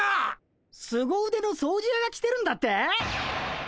すご腕の掃除やが来てるんだって？